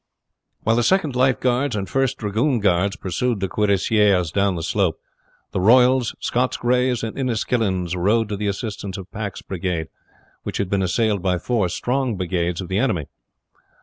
While the Second Life Guards and First Dragoon Guards pursued the cuirassiers down the slope, the Royals, Scots Greys, and Inniskillens rode to the assistance of Pack's brigade, which had been assailed by four strong brigades of the enemy.